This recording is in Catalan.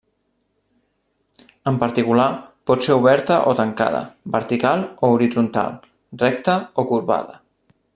En particular, pot ser oberta o tancada, vertical o horitzontal, recta o corbada.